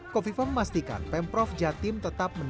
kofifa memastikan pemprov jatim tetap menang